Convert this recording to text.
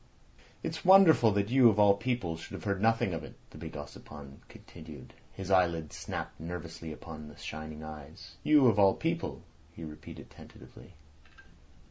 "It's wonderful that you of all people should have heard nothing of it," the big Ossipon continued. His eyelids snapped nervously upon the shining eyes. "You of all people," he repeated tentatively.